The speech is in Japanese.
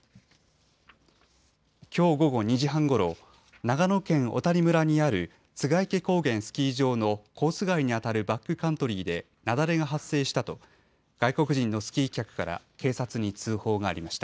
きょう午後２時半ごろ長野県小谷村にある栂池高原スキー場のコース外にあたるバックカントリーで雪崩が発生したと外国人のスキー客から警察に通報がありました。